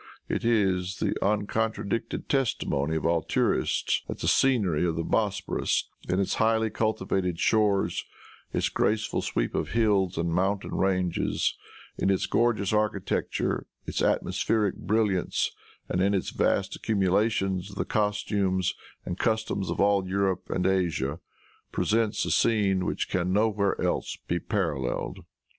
It is the uncontradicted testimony of all tourists that the scenery of the Bosporus, in its highly cultivated shores, its graceful sweep of hills and mountain ranges, in its gorgeous architecture, its atmospheric brilliance and in its vast accumulations of the costumes and customs of all Europe and Asia, presents a scene which can nowhere else be paralleled.